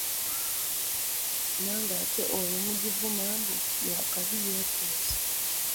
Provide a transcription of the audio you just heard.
Ng’ate olwo mugivuma mbu yakabi yeetuusa.